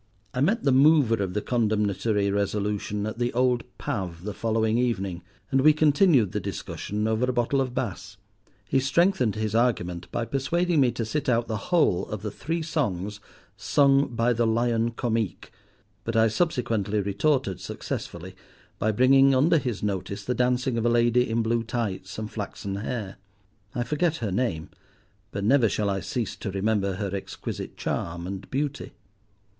I met the mover of the condemnatory resolution at the old "Pav" the following evening, and we continued the discussion over a bottle of Bass. He strengthened his argument by persuading me to sit out the whole of the three songs sung by the "Lion Comique"; but I subsequently retorted successfully, by bringing under his notice the dancing of a lady in blue tights and flaxen hair. I forget her name but never shall I cease to remember her exquisite charm and beauty.